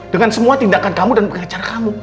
dengan semua tindakan kamu dan pengacara kamu